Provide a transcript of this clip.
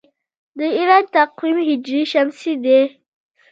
د ایران تقویم هجري شمسي دی.